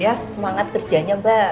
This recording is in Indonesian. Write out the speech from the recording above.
ya semangat kerjanya mbak